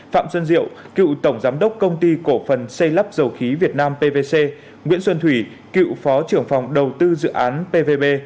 phạm xuân diệu cựu tổng giám đốc công ty cổ phần xây lắp dầu khí việt nam pvc nguyễn xuân thủy cựu phó trưởng phòng đầu tư dự án pvb